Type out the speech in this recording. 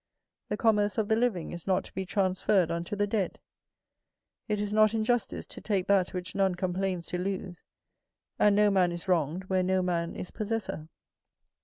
The commerce of the living is not to be transferred unto the dead; it is not injustice to take that which none complains to lose, and no man is wronged where no man is possessor.